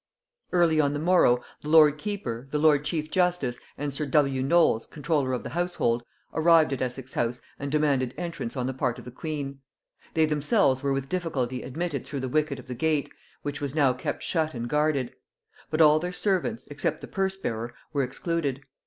Early on the morrow the lord keeper, the lord chief justice, and sir W. Knolles comptroller of the household, arrived at Essex house and demanded entrance on the part of the queen. They themselves were with difficulty admitted through the wicket of the gate, which was now kept shut and guarded; but all their servants, except the purse bearer, were excluded.